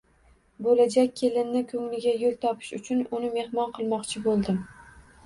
Bo’lajak kelinni ko’ngliga yo’l topish uchun, uni mehmon qilmoqchi bo’ldim.